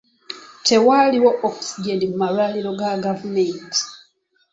Tewaliiwo oxygen mu malwaliro ga gavumenti